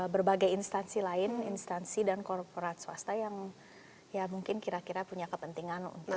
berbagai instansi lain instansi dan korporat swasta yang ya mungkin kira kira punya kepentingan untuk